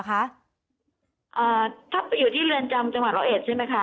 ถ้าไปอยู่ที่เรือนจำจังหวัดร้อยเอ็ดใช่ไหมคะ